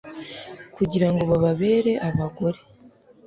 kugira ngo bababere abagore